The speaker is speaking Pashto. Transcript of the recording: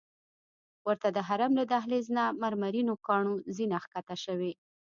ورته د حرم له دهلیز نه مرمرینو کاڼو زینه ښکته شوې.